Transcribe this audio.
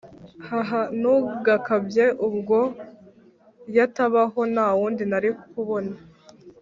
ahhh ntugakabye ubwo yatabaho ntawundi narikubona?